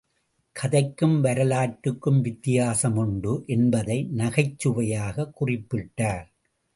கதைக்கும் வரலாற்றுக்கும் வித்தியாசம் உண்டு என்பதை, நகைச் சுவையாகக் குறிப்பிட்டார்!